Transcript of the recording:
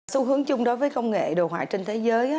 xu hướng chung đối với công nghệ đồ họa trên thế giới